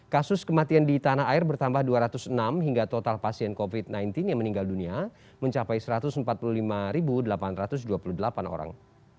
kasus kematian di tanah air bertambah dua ratus enam hingga total pasien covid sembilan belas yang meninggal dunia mencapai satu ratus empat puluh lima delapan ratus dua puluh delapan orang